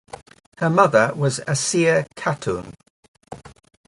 Her mother was Asiya Khatun.